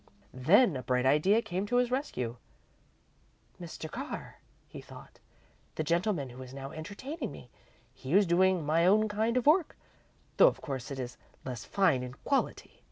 Then a bright idea came to his rescue. "Mr. Carr," he thought, "the gentleman who is now entertaining me he is doing my own kind of work, though of course it is less fine in quality.